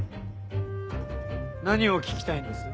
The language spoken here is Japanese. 何を聞きたいんです？